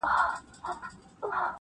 • بیا به کله راسي، وايي بله ورځ -